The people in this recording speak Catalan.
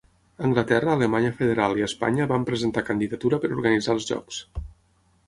Anglaterra, Alemanya Federal i Espanya van presentar candidatura per organitzar els jocs.